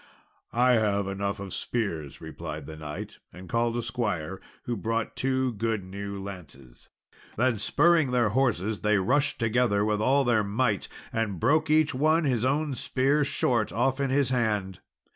"I have enough of spears," replied the knight, and called a squire, who brought two good new lances. Then spurring their horses, they rushed together with all their might, and broke each one his own spear short off in his hand.